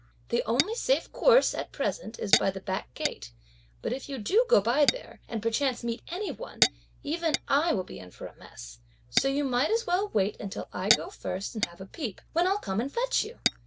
The only safe course at present is by the back gate; but if you do go by there, and perchance meet any one, even I will be in for a mess; so you might as well wait until I go first and have a peep, when I'll come and fetch you!